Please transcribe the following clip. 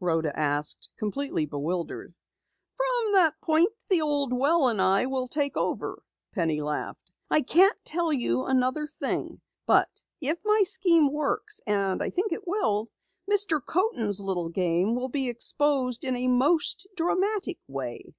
Rhoda asked, completely bewildered. "From that point the old well and I will take over!" Penny laughed. "I can't tell you another thing. But if my scheme works and I think it will Mr. Coaten's little game will be exposed in a most dramatic way!"